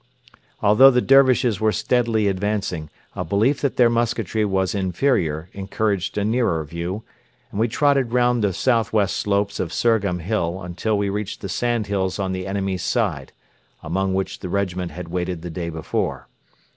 Although the Dervishes were steadily advancing, a belief that their musketry was inferior encouraged a nearer view, and we trotted round the south west slopes of Surgham Hill until we reached the sandhills on the enemy's side, among which the regiment had waited the day before.